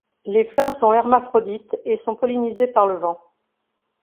Les fleurs sont hermaphrodites et sont pollinisées par le vent.